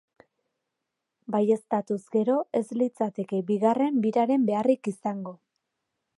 Baieztatuz gero, ez litzateke bigarren biraren beharrik izango.